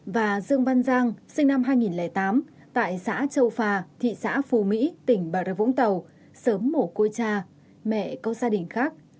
hai nghìn bảy và dương văn giang sinh năm hai nghìn tám tại xã châu phà thị xã phù mỹ tỉnh bà rịa vũng tàu sớm mổ côi cha mẹ câu gia đình khác